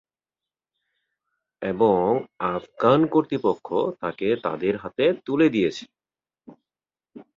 এবং আফগান কর্তৃপক্ষ তাকে তাদের হাতে তুলে দিয়েছে।